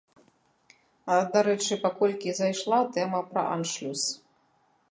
Дарэчы, паколькі зайшла тэма пра аншлюс.